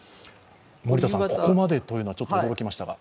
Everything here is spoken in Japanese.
森田さん、ここまでというのはちょっと驚きましたが。